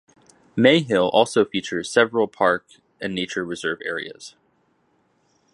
Mayhill also features several park and nature reserve areas.